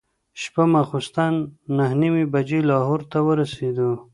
شپه ماخوستن نهه نیمې بجې لاهور ته ورسېدو.